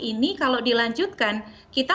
ini kalau dilanjutkan kita